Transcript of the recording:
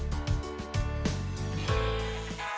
tambahan gambar kerja